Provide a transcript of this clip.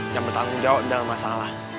dan bertanggung jawab dalam masalah